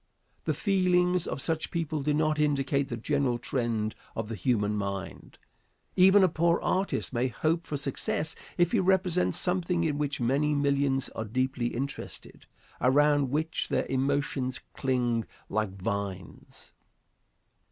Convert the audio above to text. The feelings of such people do not indicate the general trend of the human mind. Even a poor artist may hope for success if he represents something in which many millions are deeply interested, around which their emotions cling like vines.